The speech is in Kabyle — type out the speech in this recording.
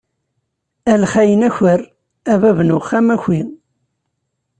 A lxayen aker, a bab n uxxam aki!